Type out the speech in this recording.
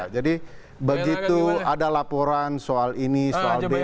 jadi begitu ada laporan soal ini soal itu